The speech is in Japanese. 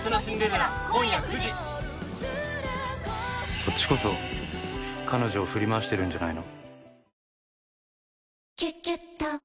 「そっちこそ彼女を振り回してるんじゃないの？」